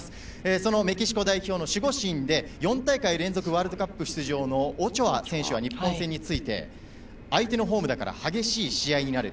そのメキシコ代表の守護神で４大会連続ワールドカップ出場のオチョア選手は日本戦について相手のホームだから激しい試合になる。